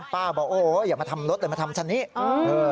ป้าบอกโอ้โหอย่ามาทำรถอย่ามาทำฉันนี้